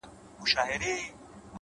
درومم چي له ښاره روانـــــېـــږمــــه _